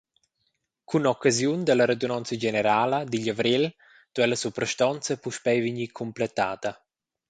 Cun occasiun dalla radunonza generala digl avrel duei la suprastonza puspei vegnir cumpletada.